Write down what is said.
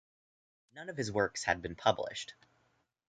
None of his works had been published.